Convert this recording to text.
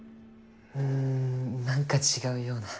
ん何か違うような。